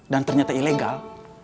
dan ternyata ilegal